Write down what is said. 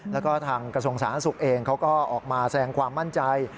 แล้วก็ทางกระทรวงสาธารณสุขเองเขาก็ออกมาแสดงความมั่นใจ